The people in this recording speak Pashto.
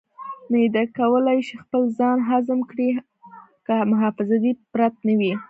معده کولی شي خپل ځان هضم کړي که محافظتي پرت نه وي.